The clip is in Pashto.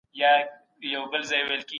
کله به په نړۍ کي تلپاتې سوله راسي؟